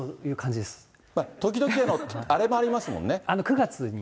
時々、あれもありますもんね。